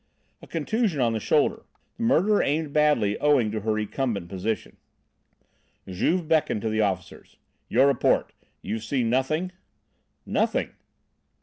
"A contusion on the shoulder. The murderer aimed badly owing to her recumbent position." Juve beckoned to the officers. "Your report? You've seen nothing?" "Nothing."